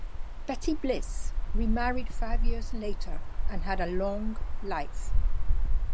Betty Bliss remarried five years later and had a long life.